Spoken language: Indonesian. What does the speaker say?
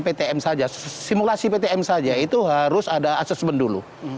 ptm saja simulasi ptm saja itu harus ada assessment dulu